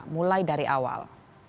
mulai dari awal